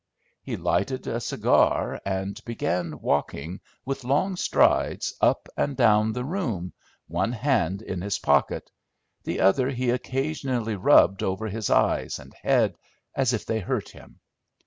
He lighted a cigar, and began walking, with long strides, up and down the room, one hand in his pocket; the other he occasionally rubbed over his eyes and head, as if they hurt him.